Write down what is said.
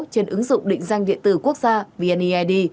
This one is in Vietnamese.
trên ứng dụng định danh điện tử quốc gia vneid